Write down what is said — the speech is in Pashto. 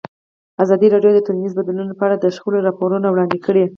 ازادي راډیو د ټولنیز بدلون په اړه د شخړو راپورونه وړاندې کړي.